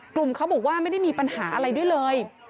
เขาบอกว่าไม่ได้มีปัญหาอะไรด้วยเลย